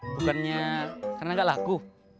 bukannya karena gak laku